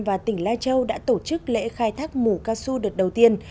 và tỉnh la châu đã tổ chức lễ khai thác mù casu đợt đầu tiên